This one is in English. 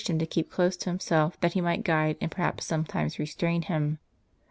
him to keep close to himself, that he might guide, and per haps sometimes restrain him.